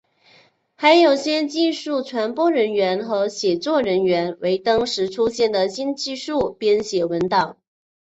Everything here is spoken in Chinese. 还有些技术传播人员和写作人员为当时出现的新技术编写文档。